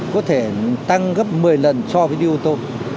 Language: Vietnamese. có thể tăng gấp một mươi lần so với đi ô tô